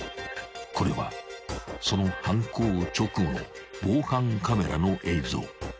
［これはその犯行直後の防犯カメラの映像］